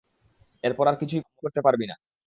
এরপর আর কিছুই করতে পারবি না।